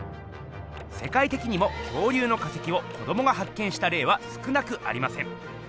せかいてきにも恐竜の化石を子どもが発見したれいは少なくありません。